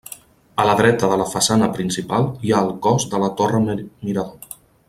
A la dreta de la façana principal hi ha el cos de la torre mirador.